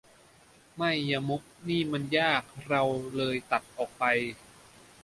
ไม่ยมกนี่มันยาก เราเลยตัดออกไป